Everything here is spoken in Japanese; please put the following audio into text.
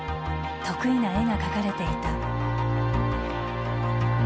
得意な絵が描かれていた。